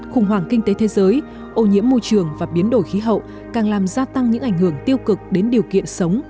khủng hoảng kinh tế thế giới ô nhiễm môi trường và biến đổi khí hậu càng làm gia tăng những ảnh hưởng tiêu cực đến điều kiện sống